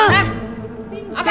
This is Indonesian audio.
yuk ke sana